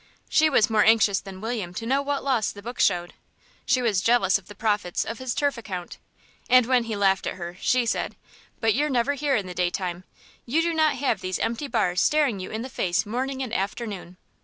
She was more anxious than William to know what loss the books showed; she was jealous of the profits of his turf account, and when he laughed at her she said, "But you're never here in the daytime, you do not have these empty bars staring you in the face morning and afternoon."